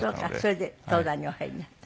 それで東大にお入りになった。